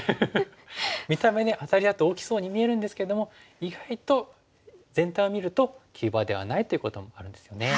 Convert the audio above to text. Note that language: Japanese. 見た目ねアタリだと大きそうに見えるんですけども意外と全体を見ると急場ではないということもあるんですよね。